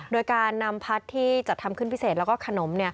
โดยการนำพัดที่จัดทำขึ้นพิเศษแล้วก็ขนม